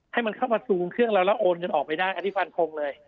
ให้มันเข้ามาซูมเครื่องเราแล้วโอนเงินออกไปได้อันนี้ฟันทงเลย